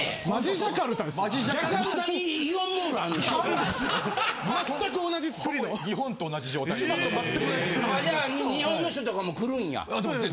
じゃあ日本の人とかも来るんや。